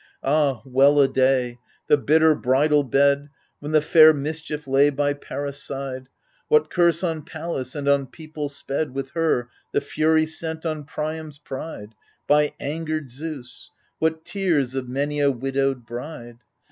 Ah, well a day ! the bitter bridal bed. When the fair mischief lay by Paris' side I What curse on palace and on people sped With her, the Fury sent on Priam's pride. By angered Zeus 1 what tears of many a widowed bride